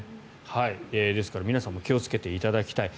ですから皆さんも気をつけていただきたい。